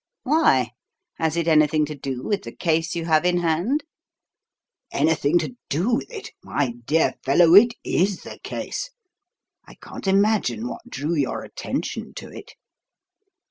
"Why? Has it anything to do with the case you have in hand?" "Anything to do with it? My dear fellow, it is 'the case.' I can't imagine what drew your attention to it."